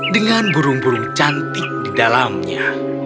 dengan burung burung cantik di dalamnya